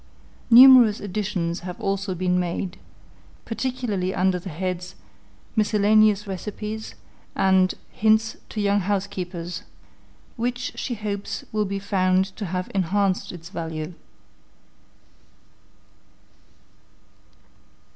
Numerous additions have also been made, particularly under the heads Miscellaneous Receipts and Hints to Young Housekeepers, which she hopes will be found to have enhanced its value.